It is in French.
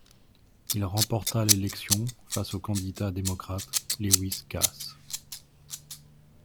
Il remporta l'élection face au candidat démocrate Lewis Cass.